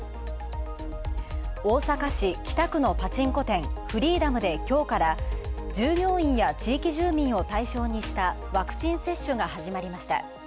大阪市北区のパチンコ店、フリーダムできょうから、従業員や地域住民を対象にしたワクチン接種が始まりました。